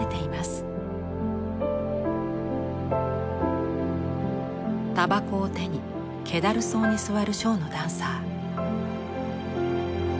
たばこを手にけだるそうに座るショーのダンサー。